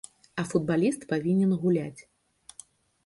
А футбаліст павінен гуляць.